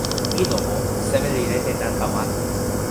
ilo o, seme li lete nanpa wan?